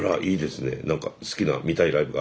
何か好きな見たいライブがあるわけ？